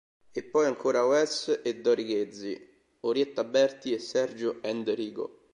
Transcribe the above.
E poi ancora Wess e Dori Ghezzi, Orietta Berti e Sergio Endrigo.